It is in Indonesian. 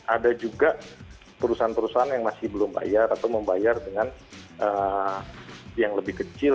ada juga perusahaan perusahaan yang masih belum bayar atau membayar dengan yang lebih kecil